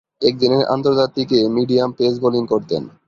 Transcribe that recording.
একদিনের আন্তর্জাতিকে medium pace bowling করতেন।